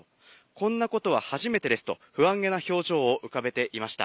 こんなことは初めてですと、不安げな表情を浮かべていました。